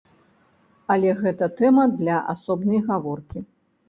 Але гэта тэма для асобнай гаворкі.